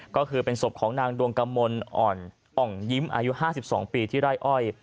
ก็คือเป็นศพของนางดวงกมลอ่อนอ่องยิ้มอายุ๕๒ปีที่ไร่อ้อย